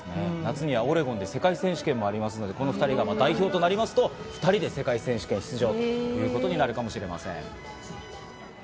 夏にはオレゴンで世界選手権もあまりますから、２人が代表となりますと２人で世界選手権出場ということになるかもしれません。